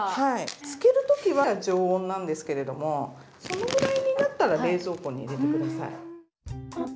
漬けるときは常温なんですけれどもそのぐらいになったら冷蔵庫に入れて下さい。